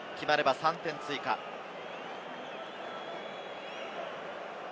決まれば３点追加。